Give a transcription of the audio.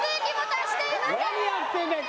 何やってんだよ